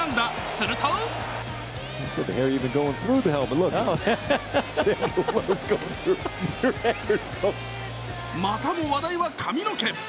するとまたも話題は髪の毛。